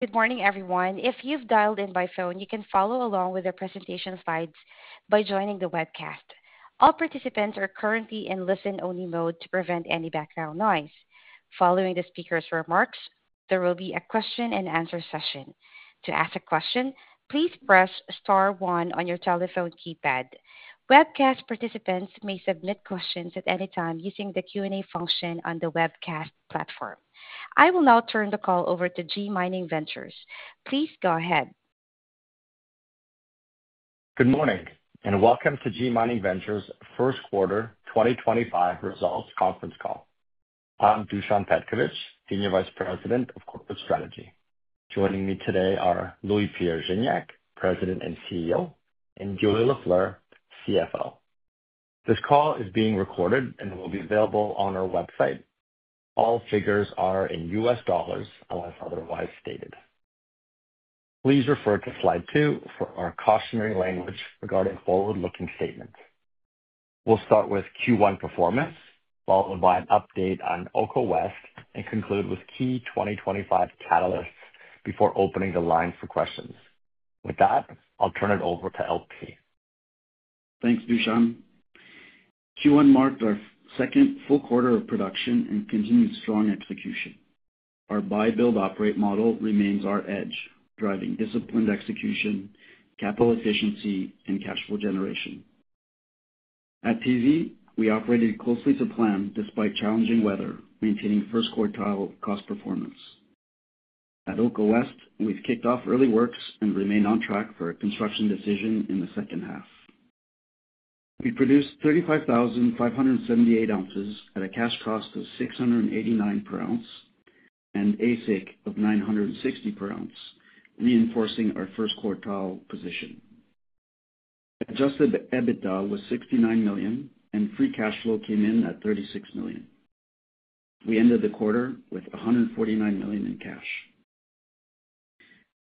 Good morning, everyone. If you've dialed in by phone, you can follow along with the presentation slides by joining the webcast. All participants are currently in listen-only mode to prevent any background noise. Following the speaker's remarks, there will be a question-and-answer session. To ask a question, please press star one on your telephone keypad. Webcast participants may submit questions at any time using the Q&A function on the webcast platform. I will now turn the call over to G Mining Ventures. Please go ahead. Good morning and welcome to G Mining Ventures' First Quarter 2025 Results Conference call. I'm Dušan Petković, Senior Vice President of Corporate Strategy. Joining me today are Louis-Pierre Gignac, President and CEO, and Julie Lafleur, CFO. This call is being recorded and will be available on our website. All figures are in U.S. dollars unless otherwise stated. Please refer to slide two for our cautionary language regarding forward-looking statements. We'll start with Q1 performance, followed by an update on Oko West, and conclude with key 2025 catalysts before opening the line for questions. With that, I'll turn it over to L.P. Thanks, Dušan. Q1 marked our second full quarter of production and continued strong execution. Our buy-build-operate model remains our edge, driving disciplined execution, capital efficiency, and cash flow generation. At TZ, we operated closely to plan despite challenging weather, maintaining first quartile cost performance. At Oko West, we've kicked off early works and remained on track for a construction decision in the second half. We produced 35,578 ounces at a cash cost of $689 per ounce and AISC of $960 per ounce, reinforcing our first quartile position. Adjusted EBITDA was $69 million, and free cash flow came in at $36 million. We ended the quarter with $149 million in cash.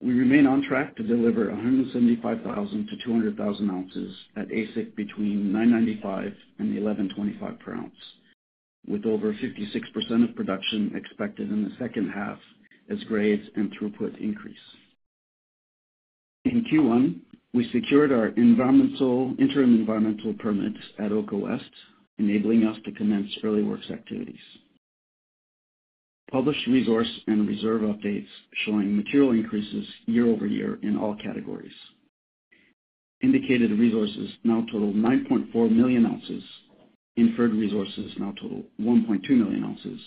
We remain on track to deliver 175,000-200,000 ounces at AISC between $995 and $1,125 per ounce, with over 56% of production expected in the second half as grades and throughput increase. In Q1, we secured our interim environmental permits at Oko West, enabling us to commence early works activities. Published resource and reserve updates showing material increases year over year in all categories. Indicated resources now total 9.4 million ounces, inferred resources now total 1.2 million ounces,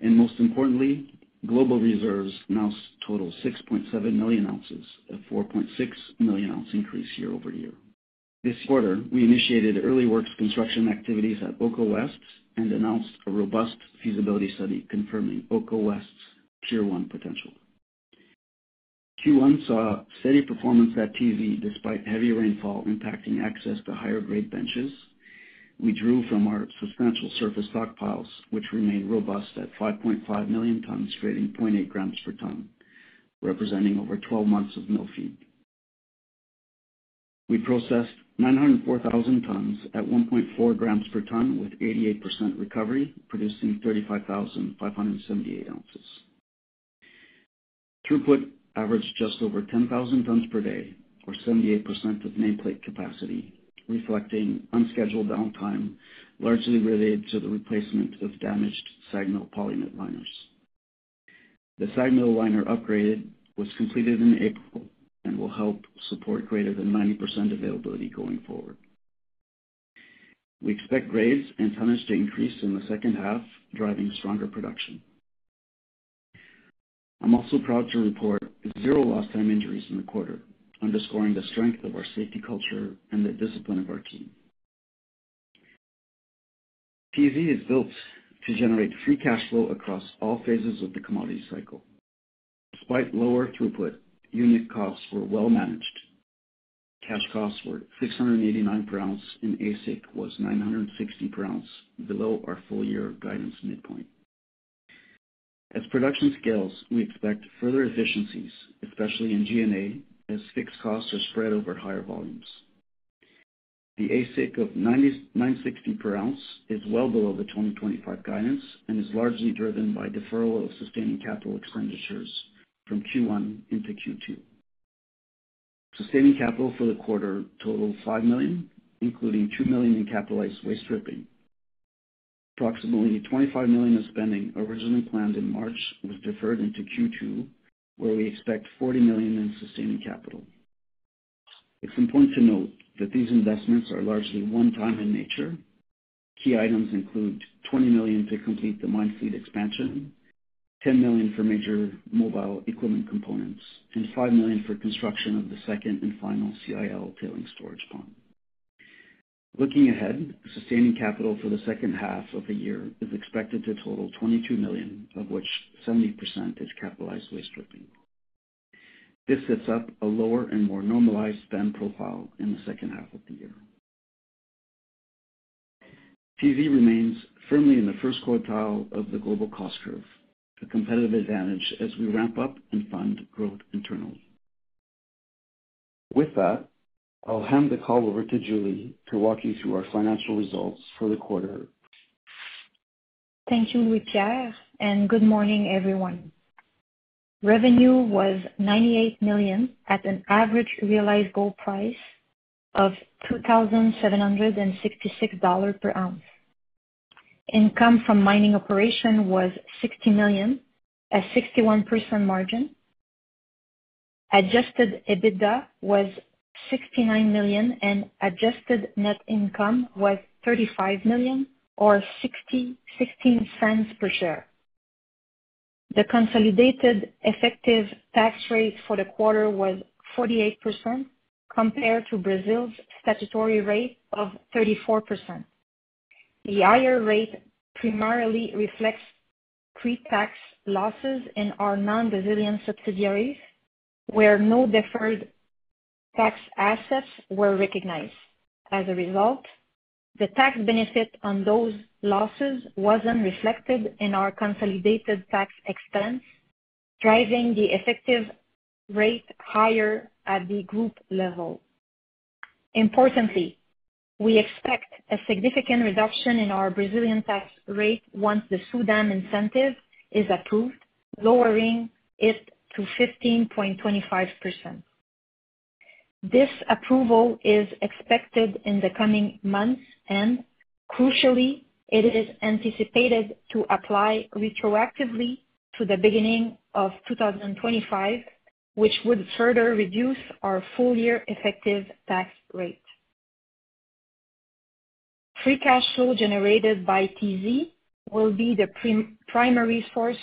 and most importantly, global reserves now total 6.7 million ounces, a 4.6 million ounce increase year over year. This quarter, we initiated early works construction activities at Oko West and announced a robust feasibility study confirming Oko West's tier one potential. Q1 saw steady performance at TZ despite heavy rainfall impacting access to higher grade benches. We drew from our substantial surface stockpiles, which remained robust at 5.5 million tons grading 0.8 grams per ton, representing over 12 months of mill feed. We processed 904,000 tons at 1.4 grams per ton with 88% recovery, producing 35,578 ounces. Throughput averaged just over 10,000 tons per day, or 78% of nameplate capacity, reflecting unscheduled downtime largely related to the replacement of damaged SAG Mill Polyamide Liners. The SAG Mill Liner Upgrade was completed in April and will help support greater than 90% availability going forward. We expect grades and tonnage to increase in the second half, driving stronger production. I'm also proud to report zero lost-time injuries in the quarter, underscoring the strength of our safety culture and the discipline of our team. TZ is built to generate free cash flow across all phases of the commodity cycle. Despite lower throughput, unit costs were well managed. Cash costs were $689 per ounce, and AISC was $960 per ounce, below our full-year guidance midpoint. As production scales, we expect further efficiencies, especially in G&A, as fixed costs are spread over higher volumes. The AISC of $960 per ounce is well below the 2025 guidance and is largely driven by deferral of sustaining capital expenditures from Q1 into Q2. Sustaining capital for the quarter totaled $5 million, including $2 million in capitalized waste stripping. Approximately $25 million of spending originally planned in March was deferred into Q2, where we expect $40 million in sustaining capital. It's important to note that these investments are largely one-time in nature. Key items include $20 million to complete the mine fleet expansion, $10 million for major mobile equipment components, and $5 million for construction of the second and final CIL tailing storage pond. Looking ahead, sustaining capital for the second half of the year is expected to total $22 million, of which 70% is capitalized waste stripping. This sets up a lower and more normalized spend profile in the second half of the year. TZ remains firmly in the first quartile of the global cost curve, a competitive advantage as we ramp up and fund growth internally. With that, I'll hand the call over to Julie to walk you through our financial results for the quarter. Thank you, Louis-Pierre, and good morning, everyone. Revenue was $98 million at an average realized gold price of $2,766 per ounce. Income from mining operations was $60 million, a 61% margin. Adjusted EBITDA was $69 million, and adjusted net income was $35 million, or $0.60 per share. The consolidated effective tax rate for the quarter was 48% compared to Brazil's statutory rate of 34%. The higher rate primarily reflects pre-tax losses in our non-Brazilian subsidiaries, where no deferred tax assets were recognized. As a result, the tax benefit on those losses was not reflected in our consolidated tax expense, driving the effective rate higher at the group level. Importantly, we expect a significant reduction in our Brazilian tax rate once the SUDAM incentive is approved, lowering it to 15.25%. This approval is expected in the coming months, and crucially, it is anticipated to apply retroactively to the beginning of 2025, which would further reduce our full-year effective tax rate. Free cash flow generated by TZ will be the primary source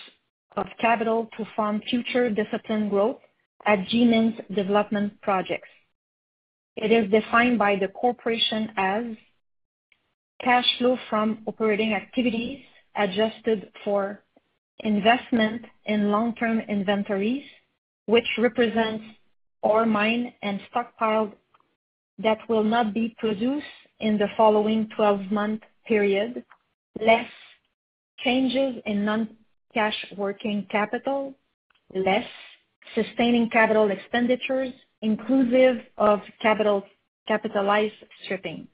of capital to fund future discipline growth at G Mining Ventures' development projects. It is defined by the corporation as cash flow from operating activities adjusted for investment in long-term inventories, which represents ore mined and stockpiled that will not be produced in the following 12-month period, less changes in non-cash working capital, less sustaining capital expenditures, inclusive of capitalized stripping.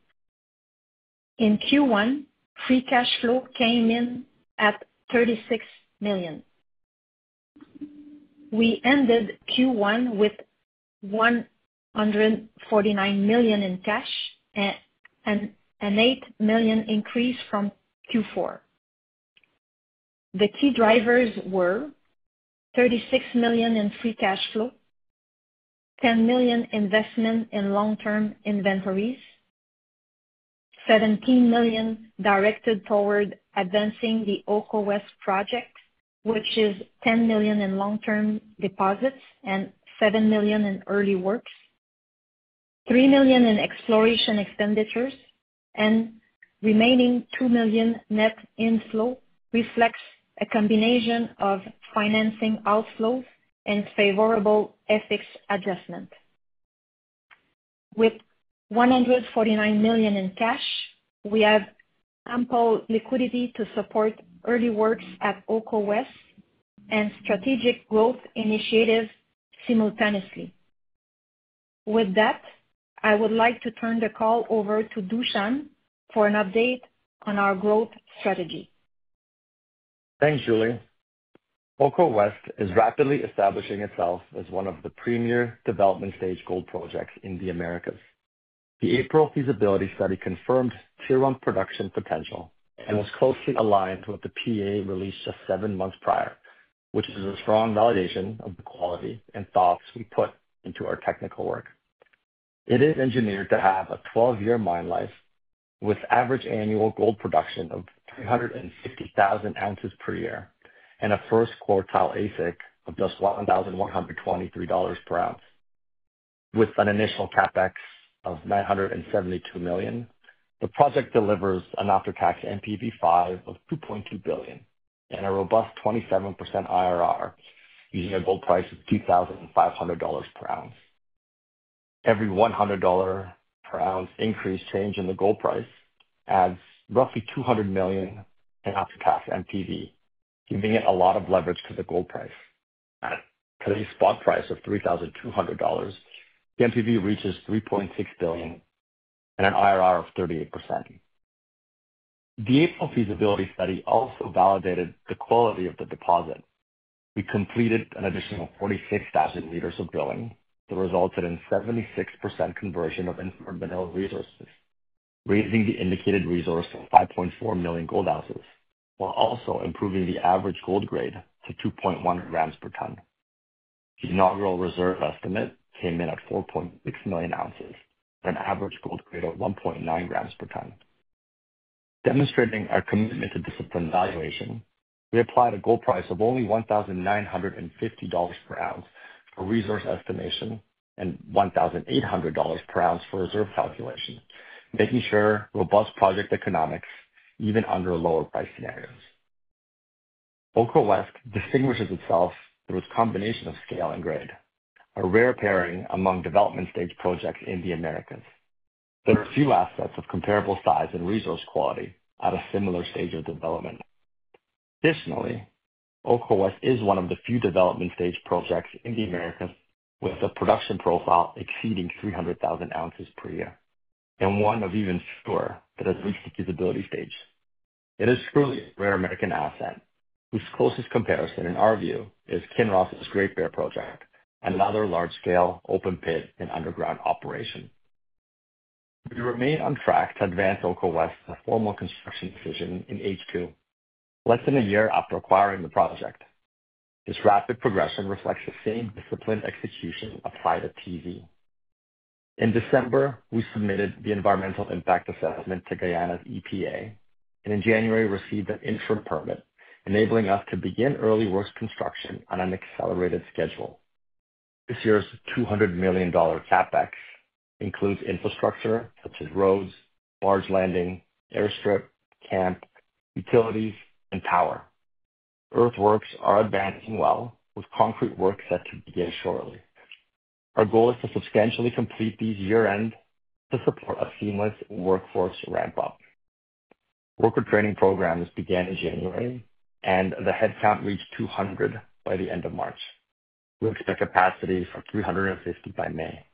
In Q1, free cash flow came in at $36 million. We ended Q1 with $149 million in cash and an $8 million increase from Q4. The key drivers were $36 million in free cash flow, $10 million investment in long-term inventories, $17 million directed toward advancing the Oko West project, which is $10 million in long-term deposits and $7 million in early works, $3 million in exploration expenditures, and remaining $2 million net inflow reflects a combination of financing outflows and favorable FX adjustment. With $149 million in cash, we have ample liquidity to support early works at Oko West and strategic growth initiatives simultaneously. With that, I would like to turn the call over to Dušan for an update on our growth strategy. Thanks, Julie. Oko West is rapidly establishing itself as one of the premier development-stage gold projects in the Americas. The April feasibility study confirmed tier one production potential and was closely aligned with the PA released just seven months prior, which is a strong validation of the quality and thoughts we put into our technical work. It is engineered to have a 12-year mine life with average annual gold production of 350,000 ounces per year and a first quartile AISC of just $1,123 per ounce. With an initial CapEx of $972 million, the project delivers an after-tax NPV 5 of $2.2 billion and a robust 27% IRR using a gold price of $2,500 per ounce. Every $100 per ounce increase change in the gold price adds roughly $200 million in after-tax NPV, giving it a lot of leverage to the gold price. At today's spot price of $3,200, the NPV reaches $3.6 billion and an IRR of 38%. The April feasibility study also validated the quality of the deposit. We completed an additional 46,000 meters of drilling, which resulted in 76% conversion of inferred resources, raising the indicated resource to 5.4 million gold ounces while also improving the average gold grade to 2.1 grams per ton. The inaugural reserve estimate came in at 4.6 million ounces at an average gold grade of 1.9 grams per ton. Demonstrating our commitment to disciplined valuation, we applied a gold price of only $1,950 per ounce for resource estimation and $1,800 per ounce for reserve calculation, making sure robust project economics even under lower price scenarios. Oko West distinguishes itself through its combination of scale and grade, a rare pairing among development-stage projects in the Americas. There are few assets of comparable size and resource quality at a similar stage of development. Additionally, Oko West is one of the few development-stage projects in the Americas with a production profile exceeding 300,000 ounces per year and one of even fewer that has reached the feasibility stage. It is truly a rare American asset, whose closest comparison, in our view, is Kinross's Great Bear project and another large-scale open pit and underground operation. We remain on track to advance Oko West to formal construction decision in H2, less than a year after acquiring the project. This rapid progression reflects the same discipline execution applied at PV. In December, we submitted the environmental impact assessment to Guyana's EPA, and in January, received an interim permit enabling us to begin early works construction on an accelerated schedule. This year's $200 million CapEx includes infrastructure such as roads, barge landing, airstrip, camp, utilities, and power. Earthworks are advancing well, with concrete work set to begin shortly. Our goal is to substantially complete these year-end to support a seamless workforce ramp-up. Worker training programs began in January, and the headcount reached 200 by the end of March. We expect capacity for 350 by May.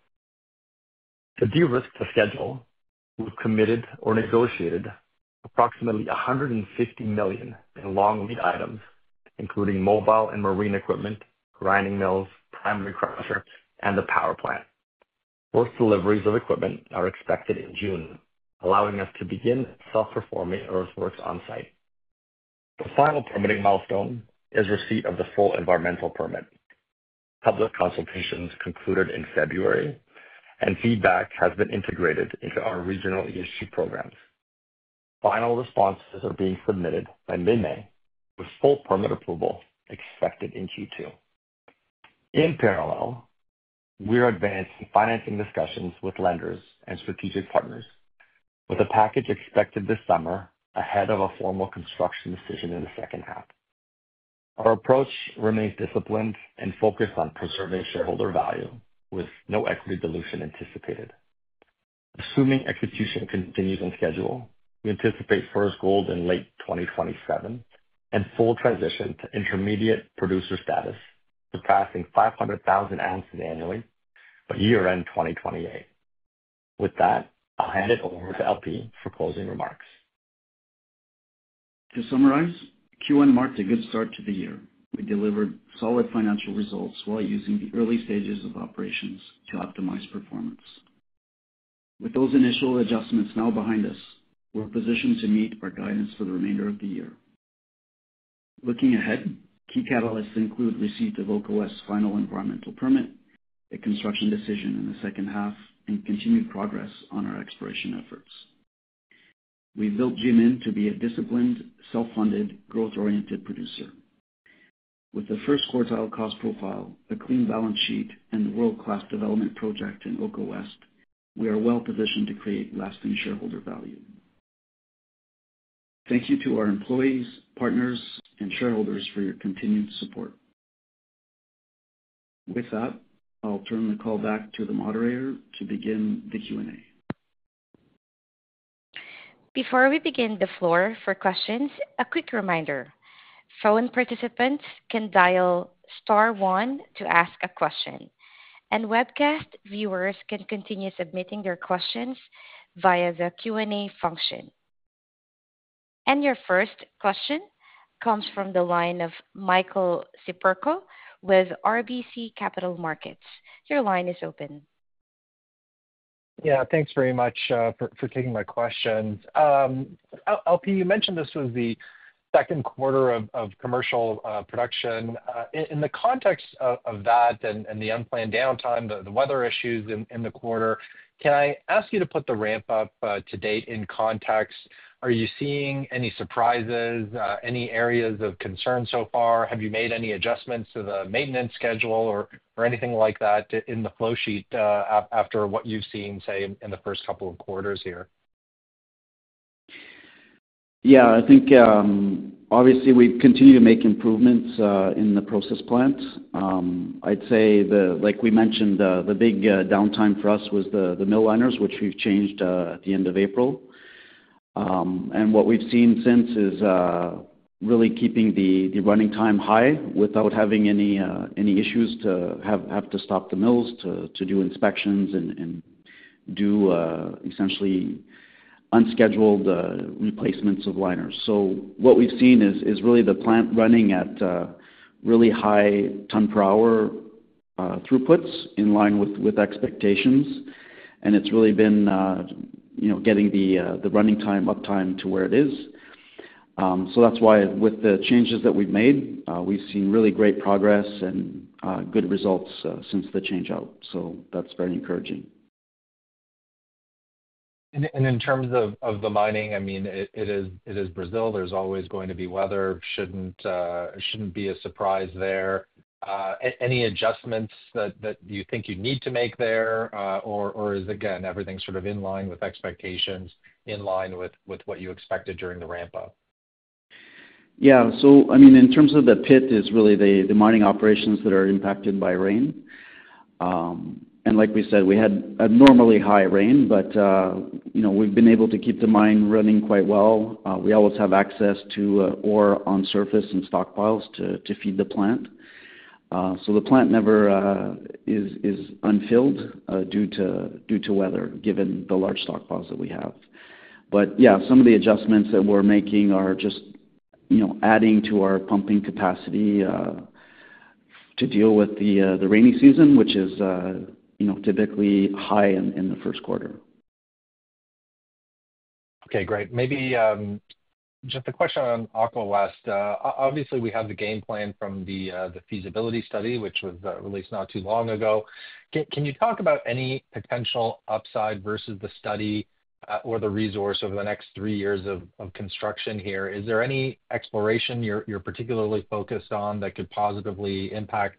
To de-risk the schedule, we've committed or negotiated approximately $150 million in long lead items, including mobile and marine equipment, grinding mills, primary crusher, and the power plant. First deliveries of equipment are expected in June, allowing us to begin self-performing earthworks on-site. The final permitting milestone is receipt of the full environmental permit. Public consultations concluded in February, and feedback has been integrated into our regional ESG programs. Final responses are being submitted by mid-May, with full permit approval expected in Q2. In parallel, we are advancing financing discussions with lenders and strategic partners, with a package expected this summer ahead of a formal construction decision in the second half. Our approach remains disciplined and focused on preserving shareholder value, with no equity dilution anticipated. Assuming execution continues on schedule, we anticipate first gold in late 2027 and full transition to intermediate producer status, surpassing 500,000 ounces annually by year-end 2028. With that, I'll hand it over to L.P. for closing remarks. To summarize, Q1 marked a good start to the year. We delivered solid financial results while using the early stages of operations to optimize performance. With those initial adjustments now behind us, we're positioned to meet our guidance for the remainder of the year. Looking ahead, key catalysts include receipt of Oko West's final environmental permit, a construction decision in the second half, and continued progress on our exploration efforts. We've built GMIN to be a disciplined, self-funded, growth-oriented producer. With the first quartile cost profile, a clean balance sheet, and the world-class development project in Oko West, we are well positioned to create lasting shareholder value. Thank you to our employees, partners, and shareholders for your continued support. With that, I'll turn the call back to the moderator to begin the Q&A. Before we begin the floor for questions, a quick reminder. Phone participants can dial Star one to ask a question, and webcast viewers can continue submitting their questions via the Q&A function. Your first question comes from the line of Michael Siperco with RBC Capital Markets. Your line is open. Yeah, thanks very much for taking my question. L.P., you mentioned this was the second quarter of commercial production. In the context of that and the unplanned downtime, the weather issues in the quarter, can I ask you to put the ramp-up to date in context? Are you seeing any surprises, any areas of concern so far? Have you made any adjustments to the maintenance schedule or anything like that in the flow sheet after what you've seen, say, in the first couple of quarters here? Yeah, I think obviously we continue to make improvements in the process plants. I'd say, like we mentioned, the big downtime for us was the mill liners, which we've changed at the end of April. What we've seen since is really keeping the running time high without having any issues to have to stop the mills to do inspections and do essentially unscheduled replacements of liners. What we've seen is really the plant running at really high ton-per-hour throughputs in line with expectations, and it's really been getting the running time uptime to where it is. That's why, with the changes that we've made, we've seen really great progress and good results since the change-out. That's very encouraging. In terms of the mining, I mean, it is Brazil. There's always going to be weather. It shouldn't be a surprise there. Any adjustments that you think you need to make there, or is, again, everything sort of in line with expectations, in line with what you expected during the ramp-up? Yeah. So, I mean, in terms of the pit, it's really the mining operations that are impacted by rain. And like we said, we had abnormally high rain, but we've been able to keep the mine running quite well. We always have access to ore on surface and stockpiles to feed the plant. The plant never is unfilled due to weather, given the large stockpiles that we have. Yeah, some of the adjustments that we're making are just adding to our pumping capacity to deal with the rainy season, which is typically high in the first quarter. Okay, great. Maybe just a question on Oko West. Obviously, we have the game plan from the feasibility study, which was released not too long ago. Can you talk about any potential upside versus the study or the resource over the next three years of construction here? Is there any exploration you're particularly focused on that could positively impact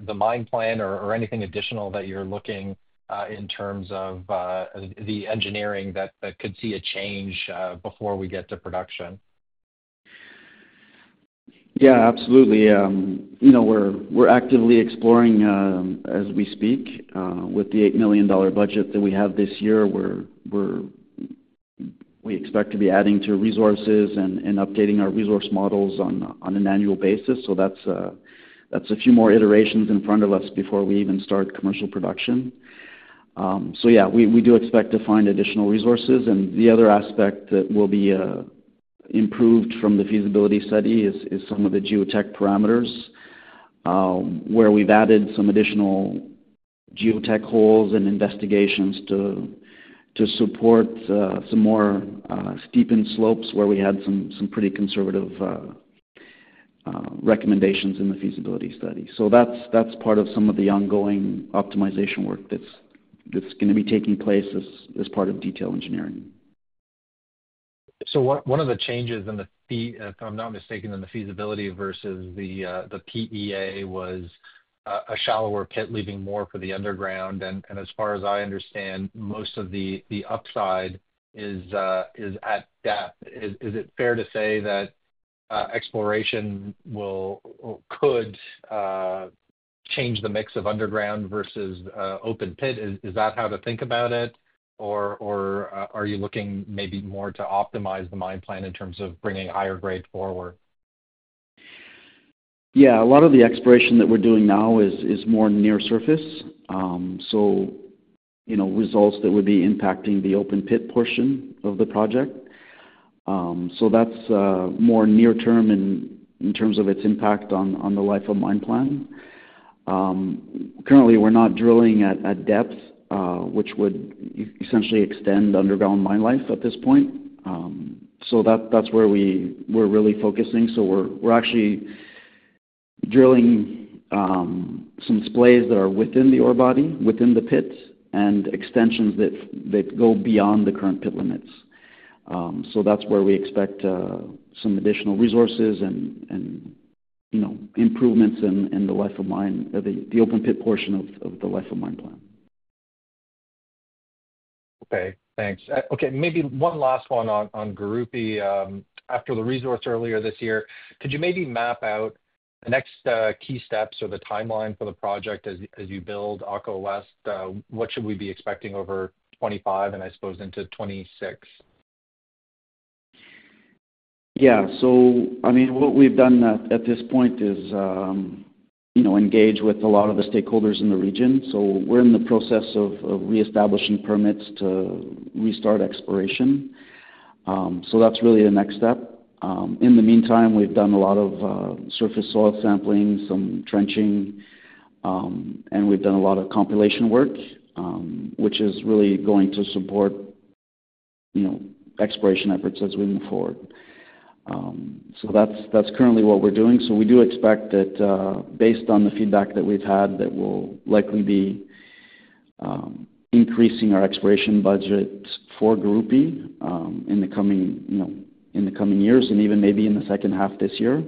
the mine plan or anything additional that you're looking in terms of the engineering that could see a change before we get to production? Yeah, absolutely. We're actively exploring as we speak. With the $8 million budget that we have this year, we expect to be adding to resources and updating our resource models on an annual basis. That's a few more iterations in front of us before we even start commercial production. Yeah, we do expect to find additional resources. The other aspect that will be improved from the feasibility study is some of the geotech parameters, where we've added some additional geotech holes and investigations to support some more steepened slopes where we had some pretty conservative recommendations in the feasibility study. That's part of some of the ongoing optimization work that's going to be taking place as part of detail engineering. One of the changes in the, if I'm not mistaken, in the feasibility versus the PEA was a shallower pit, leaving more for the underground. As far as I understand, most of the upside is at depth. Is it fair to say that exploration could change the mix of underground versus open pit? Is that how to think about it, or are you looking maybe more to optimize the mine plan in terms of bringing higher grade forward? Yeah, a lot of the exploration that we're doing now is more near surface, so results that would be impacting the open pit portion of the project. That's more near-term in terms of its impact on the life of mine plan. Currently, we're not drilling at depth, which would essentially extend underground mine life at this point. That's where we're really focusing. We're actually drilling some splays that are within the ore body, within the pits, and extensions that go beyond the current pit limits. That's where we expect some additional resources and improvements in the life of mine, the open pit portion of the life of mine plan. Okay, thanks. Okay, maybe one last one on Gurupi. After the resource earlier this year, could you maybe map out the next key steps or the timeline for the project as you build Oko West? What should we be expecting over 2025 and, I suppose, into 2026? Yeah. So, I mean, what we've done at this point is engage with a lot of the stakeholders in the region. We're in the process of reestablishing permits to restart exploration. That's really the next step. In the meantime, we've done a lot of surface soil sampling, some trenching, and we've done a lot of compilation work, which is really going to support exploration efforts as we move forward. That's currently what we're doing. We do expect that, based on the feedback that we've had, we'll likely be increasing our exploration budget for Gurupi in the coming years and even maybe in the second half this year.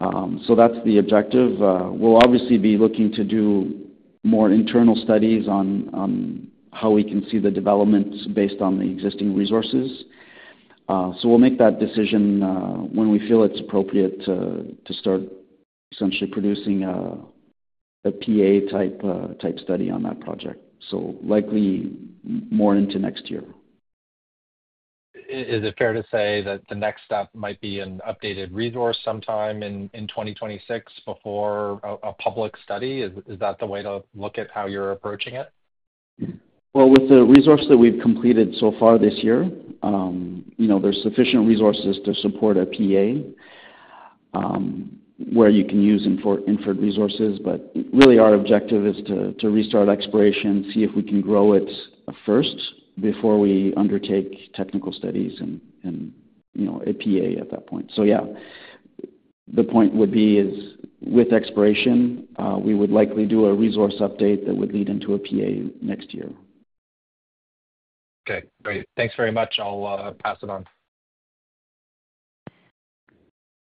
That's the objective. We'll obviously be looking to do more internal studies on how we can see the development based on the existing resources. We'll make that decision when we feel it's appropriate to start essentially producing a PA-type study on that project. Likely more into next year. Is it fair to say that the next step might be an updated resource sometime in 2026 before a public study? Is that the way to look at how you're approaching it? With the resource that we've completed so far this year, there's sufficient resources to support a PA where you can use inferred resources. Really, our objective is to restart exploration, see if we can grow it first before we undertake technical studies and a PA at that point. Yeah, the point would be is, with exploration, we would likely do a resource update that would lead into a PA next year. Okay, great. Thanks very much. I'll pass it on.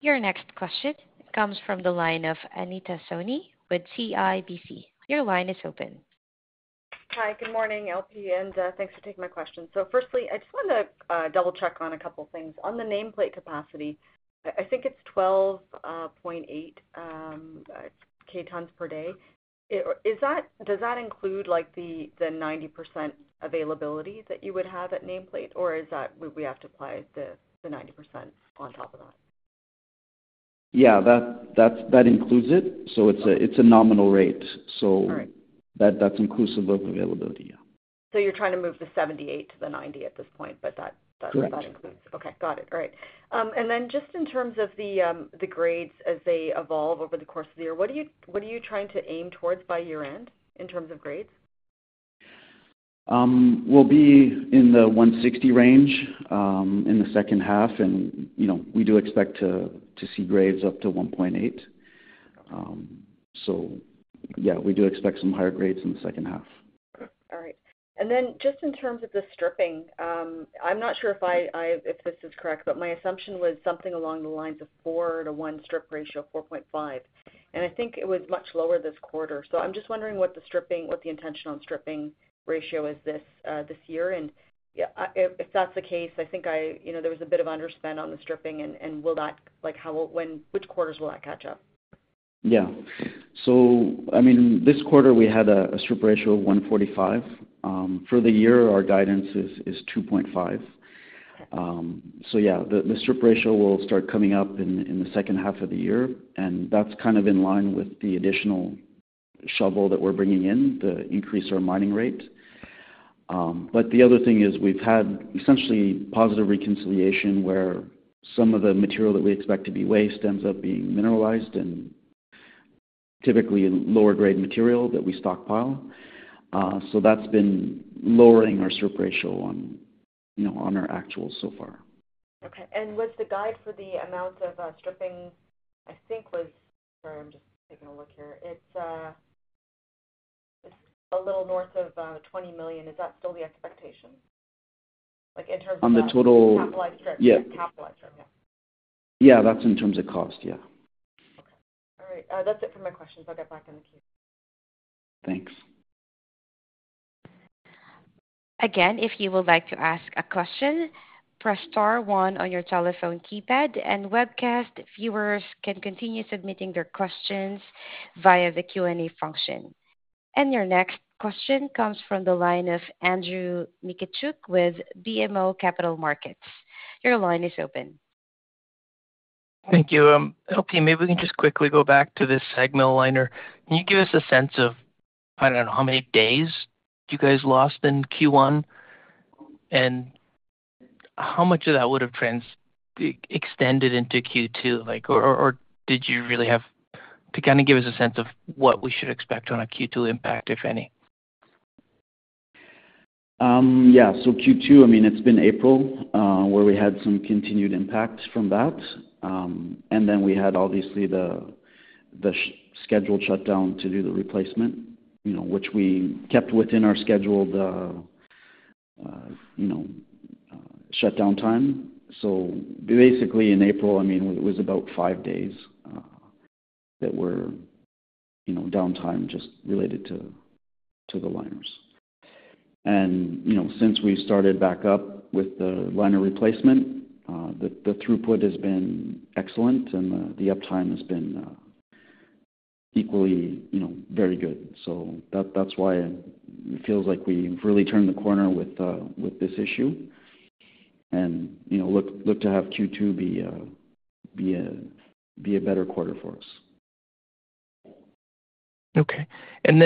Your next question comes from the line of Anita Soni with CIBC. Your line is open. Hi, good morning, L.P., and thanks for taking my question. Firstly, I just want to double-check on a couple of things. On the nameplate capacity, I think it is 12.8 K tons per day. Does that include the 90% availability that you would have at nameplate, or is that we have to apply the 90% on top of that? Yeah, that includes it. It's a nominal rate. That's inclusive of availability, yeah. So you're trying to move the 78 to the 90 at this point, but that includes it. Correct. Okay, got it. All right. In terms of the grades, as they evolve over the course of the year, what are you trying to aim towards by year-end in terms of grades? We'll be in the 160 range in the second half, and we do expect to see grades up to 1.8. Yeah, we do expect some higher grades in the second half. All right. Just in terms of the stripping, I'm not sure if this is correct, but my assumption was something along the lines of 4 to 1 strip ratio, 4.5. I think it was much lower this quarter. I'm just wondering what the intentional stripping ratio is this year. If that's the case, I think there was a bit of underspend on the stripping, and which quarters will that catch up? Yeah. So, I mean, this quarter, we had a strip ratio of 1.45. For the year, our guidance is 2.5. Yeah, the strip ratio will start coming up in the second half of the year, and that's kind of in line with the additional shovel that we're bringing in to increase our mining rate. The other thing is we've had essentially positive reconciliation where some of the material that we expect to be waste ends up being mineralized and typically lower-grade material that we stockpile. That's been lowering our strip ratio on our actuals so far. Okay. Was the guide for the amount of stripping, I think, was, sorry, I'm just taking a look here. It's a little north of 20 million. Is that still the expectation in terms of the. On the total. Capitalized term? Yeah. Capitalized term, yeah. Yeah, that's in terms of cost, yeah. Okay. All right. That's it for my questions. I'll get back in the queue. Thanks. Again, if you would like to ask a question, press Star one on your telephone keypad, and webcast viewers can continue submitting their questions via the Q&A function. Your next question comes from the line of Andrew Mikitchook with BMO Capital Markets. Your line is open. Thank you. L.P., maybe we can just quickly go back to this segment liner. Can you give us a sense of, I don't know, how many days you guys lost in Q1, and how much of that would have extended into Q2? Or did you really have to kind of give us a sense of what we should expect on a Q2 impact, if any? Yeah. Q2, I mean, it has been April where we had some continued impact from that. We had, obviously, the scheduled shutdown to do the replacement, which we kept within our scheduled shutdown time. Basically, in April, it was about five days that were downtime just related to the liners. Since we started back up with the liner replacement, the throughput has been excellent, and the uptime has been equally very good. That is why it feels like we have really turned the corner with this issue and look to have Q2 be a better quarter for us. Okay.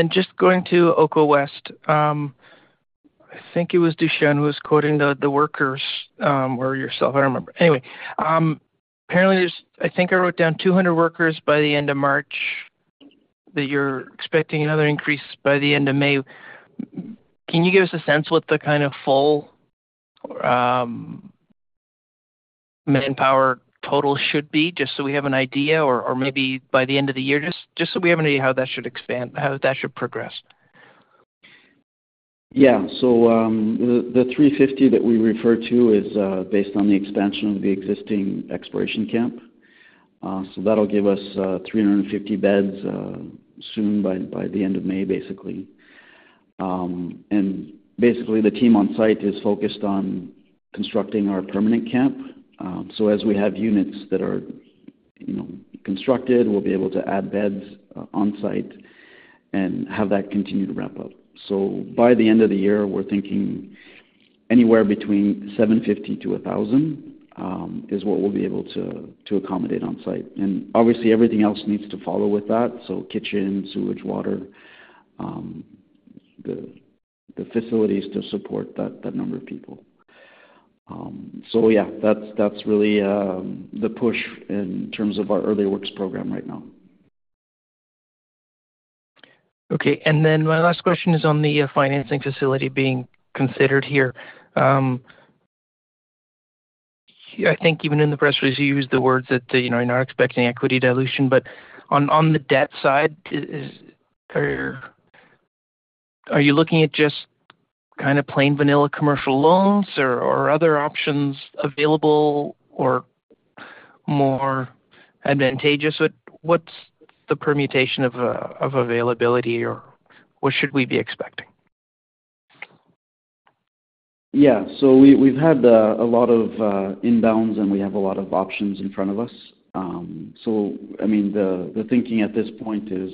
Just going to Oko West, I think it was Dušan who was quoting the workers or yourself. I don't remember. Anyway, apparently, I think I wrote down 200 workers by the end of March, that you're expecting another increase by the end of May. Can you give us a sense what the kind of full manpower total should be, just so we have an idea, or maybe by the end of the year, just so we have an idea how that should expand, how that should progress? Yeah. The 350 that we refer to is based on the expansion of the existing exploration camp. That will give us 350 beds soon by the end of May, basically. The team on site is focused on constructing our permanent camp. As we have units that are constructed, we will be able to add beds on site and have that continue to ramp up. By the end of the year, we are thinking anywhere between 750-1,000 is what we will be able to accommodate on site. Obviously, everything else needs to follow with that: kitchen, sewage, water, the facilities to support that number of people. That is really the push in terms of our early works program right now. Okay. My last question is on the financing facility being considered here. I think even in the press release, you used the words that you're not expecting equity dilution. On the debt side, are you looking at just kind of plain vanilla commercial loans or other options available or more advantageous? What's the permutation of availability, or what should we be expecting? Yeah. So we've had a lot of inbounds, and we have a lot of options in front of us. I mean, the thinking at this point is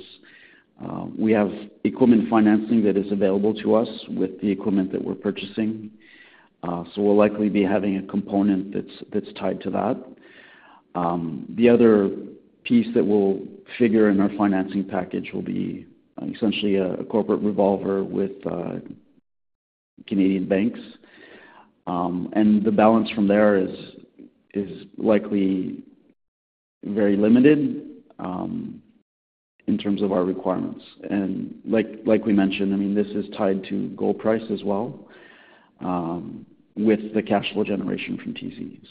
we have equipment financing that is available to us with the equipment that we're purchasing. We'll likely be having a component that's tied to that. The other piece that will figure in our financing package will be essentially a corporate revolver with Canadian banks. The balance from there is likely very limited in terms of our requirements. Like we mentioned, I mean, this is tied to gold price as well with the cash flow generation from TZ.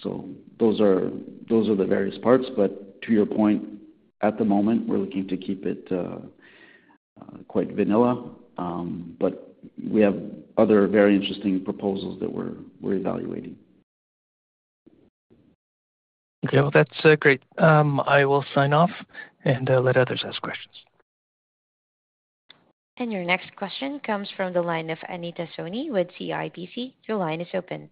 Those are the various parts. To your point, at the moment, we're looking to keep it quite vanilla, but we have other very interesting proposals that we're evaluating. Okay. That is great. I will sign off and let others ask questions. Your next question comes from the line of Anita Soni with CIBC. Your line is open.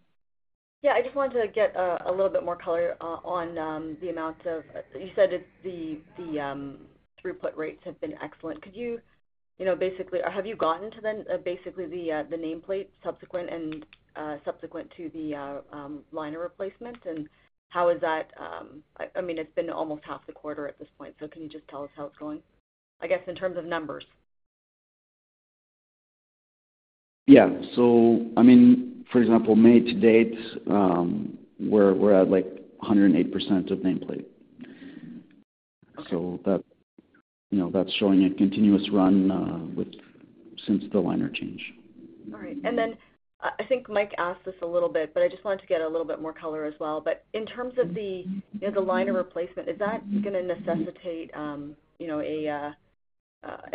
Yeah. I just wanted to get a little bit more color on the amount of, you said the throughput rates have been excellent. Could you basically, have you gotten to then basically the nameplate subsequent to the liner replacement? I mean, it's been almost half the quarter at this point. Can you just tell us how it's going, I guess, in terms of numbers? Yeah. So, I mean, for example, May to date, we're at like 108% of nameplate. That is showing a continuous run since the liner change. All right. I think Mike asked this a little bit, but I just wanted to get a little bit more color as well. In terms of the liner replacement, is that going to necessitate an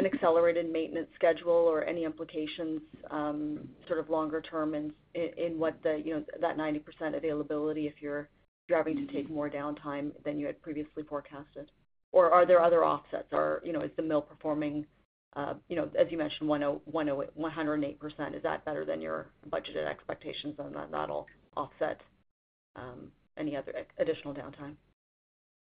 accelerated maintenance schedule or any implications sort of longer term in that 90% availability if you're having to take more downtime than you had previously forecasted? Are there other offsets? Is the mill performing, as you mentioned, 108%? Is that better than your budgeted expectations, and will that offset any additional downtime?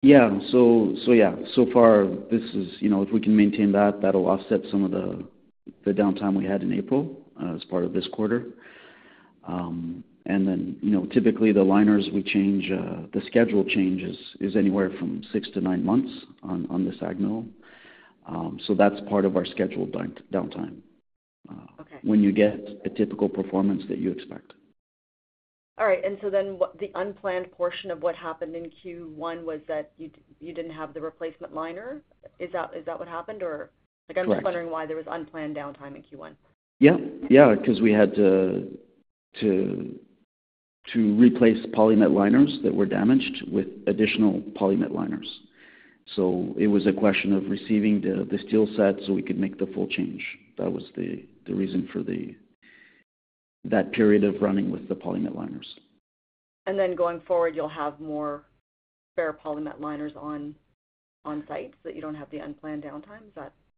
Yeah. So yeah, so far, if we can maintain that, that'll offset some of the downtime we had in April as part of this quarter. Typically, the liners we change, the schedule change is anywhere from six to nine months on the SAG Mill. That's part of our scheduled downtime when you get a typical performance that you expect. All right. Then the unplanned portion of what happened in Q1 was that you did not have the replacement liner? Is that what happened? I am just wondering why there was unplanned downtime in Q1. Yeah. Yeah, because we had to replace Poly-Met Liners that were damaged with additional Poly-Met Liners. It was a question of receiving the steel set so we could make the full change. That was the reason for that period of running with the Poly-Met Liners. Then going forward, you'll have more spare Poly-Met Liners on site so that you don't have the unplanned downtime?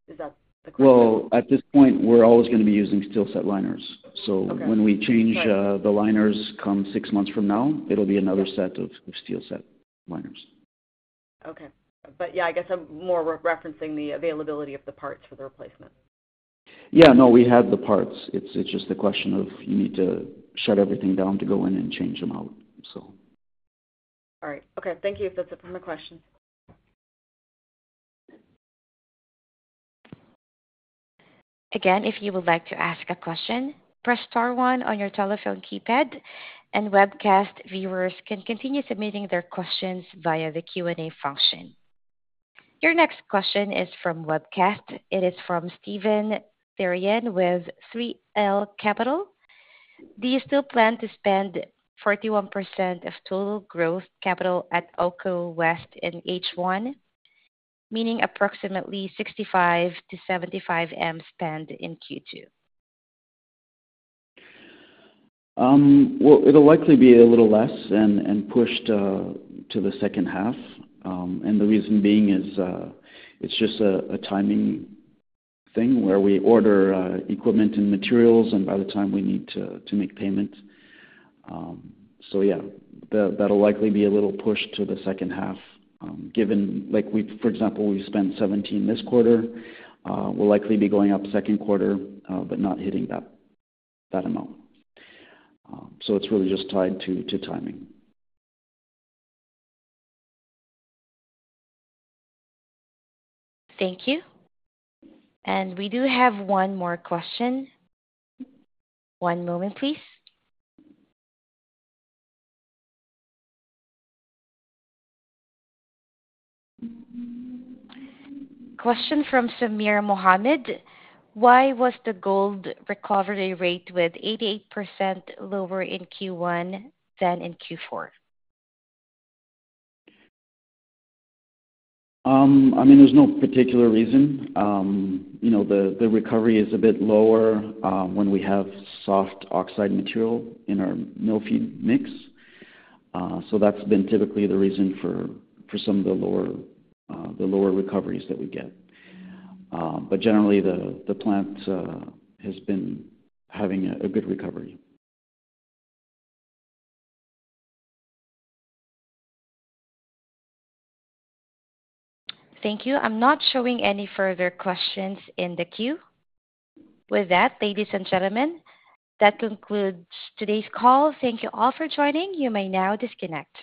Is that the question? At this point, we're always going to be using Steel Set Liners. So when we change the liners come six months from now, it'll be another set of Steel Set Liners. Okay. Yeah, I guess I'm more referencing the availability of the parts for the replacement. Yeah. No, we have the parts. It's just a question of you need to shut everything down to go in and change them out, so. All right. Okay. Thank you. That's it for my questions. Again, if you would like to ask a question, press Star one on your telephone keypad, and webcast viewers can continue submitting their questions via the Q&A function. Your next question is from webcast. It is from Steven Therrien with 3L Capital. Do you still plan to spend 41% of total gross capital at Oko West in H1, meaning approximately $65 million-$75 million spend in Q2? It'll likely be a little less and pushed to the second half. The reason being is it's just a timing thing where we order equipment and materials, and by the time we need to make payment. Yeah, that'll likely be a little push to the second half. Given, for example, we spent $17 million this quarter, we'll likely be going up second quarter but not hitting that amount. It's really just tied to timing. Thank you. We do have one more question. One moment, please. Question from Samir Mohammed. Why was the gold recovery rate with 88% lower in Q1 than in Q4? I mean, there's no particular reason. The recovery is a bit lower when we have soft oxide material in our mill feed mix. That's been typically the reason for some of the lower recoveries that we get. Generally, the plant has been having a good recovery. Thank you. I'm not showing any further questions in the queue. With that, ladies and gentlemen, that concludes today's call. Thank you all for joining. You may now disconnect.